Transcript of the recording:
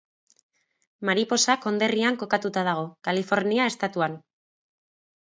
Mariposa konderrian kokatuta dago, Kalifornia estatuan.